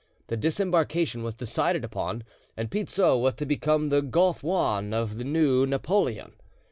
The disembarkation was decided upon, and Pizzo was to become the Golfe Juan of the new Napoleon.